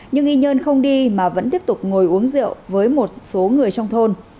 nhưng y nhơn không đi mà vẫn tiếp tục ngồi uống rượu với một số người trong thôn